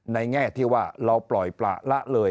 แง่ที่ว่าเราปล่อยประละเลย